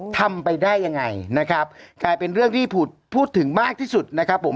ทำไปได้ยังไงนะครับกลายเป็นเรื่องที่พูดถึงมากที่สุดนะครับผม